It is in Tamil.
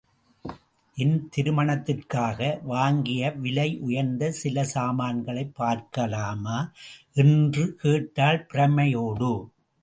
என் திருமணத்திற்காக வாங்கிய விலையுயர்ந்த சில சாமான்களைப் பார்க்கலாமா? என்று கேட்டாள் பிரமையோடு.